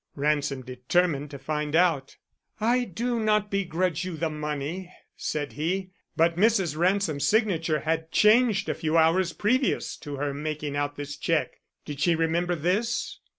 Ransom determined to find out. "I do not begrudge you the money," said he, "but Mrs. Ransom's signature had changed a few hours previous to her making out this check. Did she remember this?"